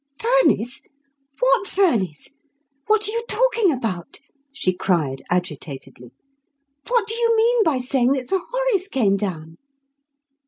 "Furnace? What furnace? What are you talking about?" she cried agitatedly. "What do you mean by saying that Sir Horace came down?"